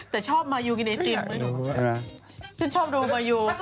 แต่ชอบมาอยู่กินไอติ่ม